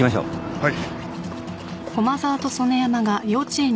はい。